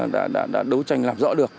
đã đấu tranh làm rõ được